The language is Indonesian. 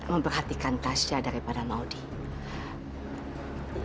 memberhatikan tasya daripada maudie